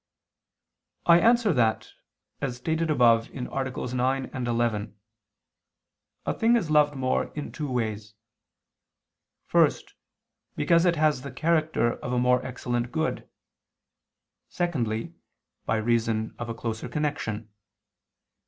I answer that, As stated above (AA. 9, 11), a thing is loved more in two ways: first because it has the character of a more excellent good, secondly by reason of a closer connection.